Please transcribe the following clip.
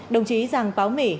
đồng chí giàng báo mỹ